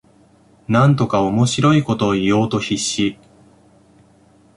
なんとか面白いことを言おうと必死